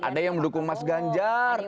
ada yang mendukung mas ganjar